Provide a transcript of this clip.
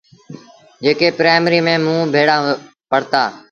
جيڪي پرآئيمريٚ ميݩ موݩ ڀيڙآ پڙهتآ۔